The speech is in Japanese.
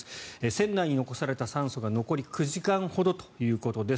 船内に残された酸素が残り９時間ほどということです。